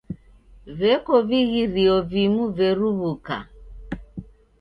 Veko vighirio vimu veruw'uka.